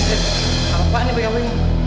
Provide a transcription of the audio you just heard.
eh apaan ini bagaimana ini